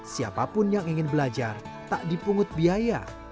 siapapun yang ingin belajar tak dipungut biaya